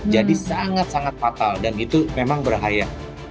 jadi sangat sangat fatal dan itu memang berahaya